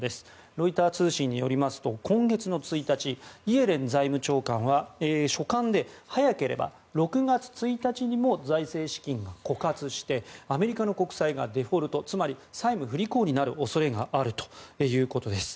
ロイター通信によりますと今月１日イエレン財務長官は書簡で早ければ６月１日にも財政資金が枯渇してアメリカの国債がデフォルトつまり債務不履行になる恐れがあるということです。